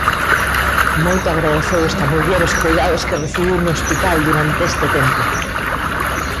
Moito agradeceu esta muller os coidados que recibiu no hospital durante este tempo.